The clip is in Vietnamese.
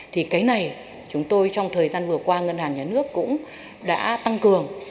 thì cái này chúng tôi trong thời gian vừa qua ngân hàng nhà nước cũng đã tăng cường